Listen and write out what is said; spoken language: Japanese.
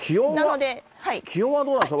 気温はどうなんですか？